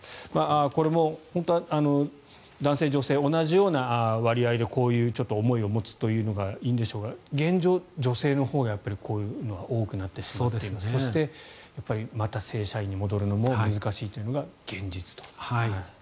これも本当は男性、女性同じような割合でこういう思いを持つというのがいいんでしょうが現状、女性のほうがこういうのは多くなってしまってそして、また正社員に戻るのも難しいというのが現実と。